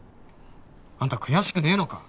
あんた悔しくねえのか？